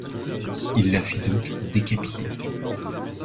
Il la fit donc décapiter.